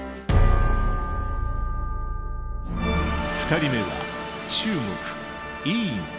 ２人目は中国